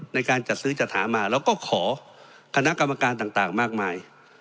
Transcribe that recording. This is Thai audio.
ในการจัดซื้อจัดหามาแล้วก็ขอคณะกรรมการต่างมากมาย